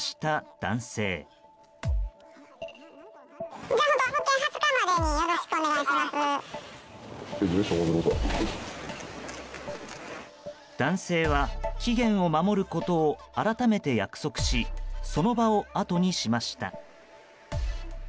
男性は、期限を守ることを改めて約束しその場をあとにしました。